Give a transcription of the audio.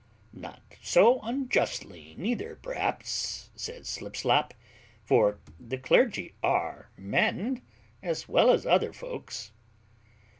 "Not so unjustly neither, perhaps," says Slipslop; "for the clergy are men, as well as other folks."